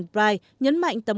và chúng ta trả lời